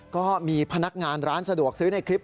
ก็มีพนักงานร้านสะดวกซื้อในคลิป